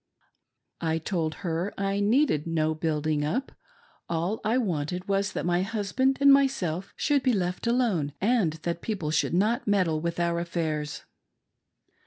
I told her I needed no " building up;" all I wanted was that nvy husband and myself should be left alone, and that people should not meddle with our affairs.